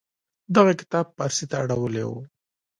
دغه کتاب پارسي ته اړولې و.